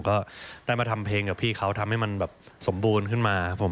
ก็ได้มาทำเพลงกับพี่เขาทำให้มันแบบสมบูรณ์ขึ้นมาครับผม